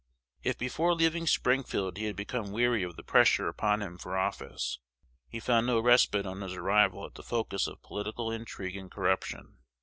If before leaving Springfield he had become weary of the pressure upon him for office, he found no respite on his arrival at the focus of political intrigue and corruption.